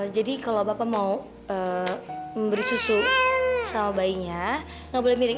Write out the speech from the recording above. jadi kalau bapak mau memberi susu sama bayinya gak boleh miring